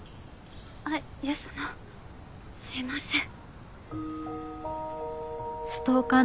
あっいやそのすみません。